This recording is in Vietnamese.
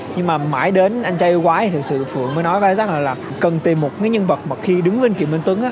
nhưng mà mãi đến anh trai yêu quái thì thực sự phượng mới nói với isaac là cần tìm một cái nhân vật mà khi đứng bên kiều minh tuấn